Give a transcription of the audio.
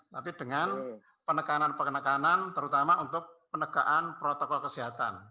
tapi dengan penekanan penekanan terutama untuk penegaan protokol kesehatan